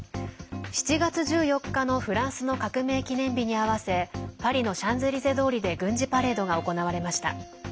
７月１４日のフランスの革命記念日に合わせパリのシャンゼリゼ通りで軍事パレードが行われました。